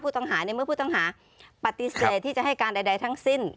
ผู้ต่างหาในเมื่อผู้ต่างหาครับปฏิเสธที่จะให้การใดใดทั้งสิ้น